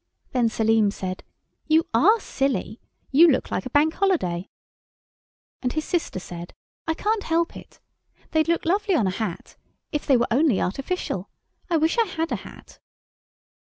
Then Selim said, "You are silly! You look like a Bank Holiday." And his sister said, "I can't help it. They'd look lovely on a hat, if they were only artificial. I wish I had a hat."